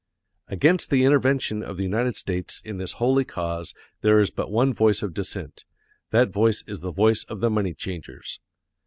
Against the intervention of the United States in this holy cause there is but one voice of dissent; that voice is the voice of the money changers.